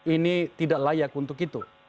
ini tidak layak untuk itu